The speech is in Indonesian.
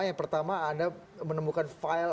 yang pertama anda menemukan file